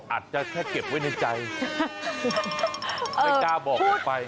อาจจะแค่เก็บไว้ในใจไม่กล้าบอกออกไป